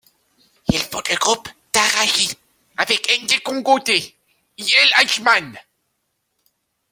Il fonde le groupe Daara J avec Ndongo D et El Hadj Man.